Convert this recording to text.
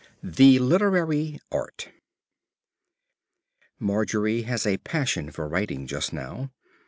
THE LITERARY ART Margery has a passion for writing just now.